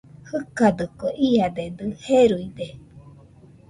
Jɨkadɨkue, iadedɨ jeruide